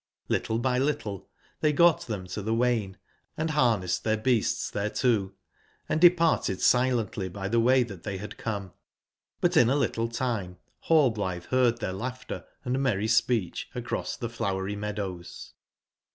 Little by little tbey got tbem to tbe wain and bamessed tbeir beasts thereto, & departed silently by tbeway tbat tbey bad come; but in a little time Rallblitbe beard tbeir lau^bter & merry spcecb across tbe flowery meadows.